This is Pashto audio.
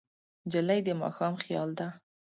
نجلۍ د ماښام خیال ده.